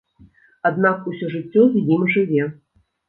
Аднак усё жыццё з ім жыве.